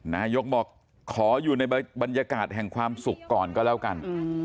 นายกบอกขออยู่ในบรรยากาศแห่งความสุขก่อนก็แล้วกัน